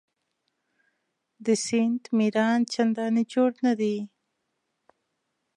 د سیند میران چنداني جوړ نه دي.